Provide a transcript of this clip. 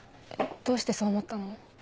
えっどうしてそう思ったの？